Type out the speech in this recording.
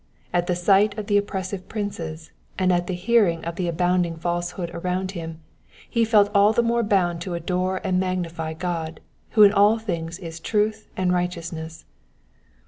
At the sight of the oppressive princes, and at the hearing of the abounding falsehood around him, he felt all the more bound to adore and magnify God, who in all things is truth and righteousness.